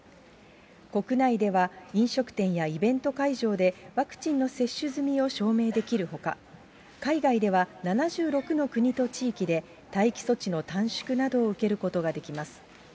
国内では、飲食店やイベント会場でワクチンの接種済みを証明できるほか、海外では、７６の国と地域で、待機措置の短縮などを受けることができます。